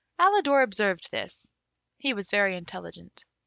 Alidor observed this; he was very intelligent.